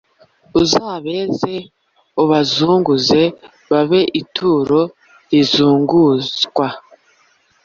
Uzabeze ubazunguze babe ituro rizunguzwa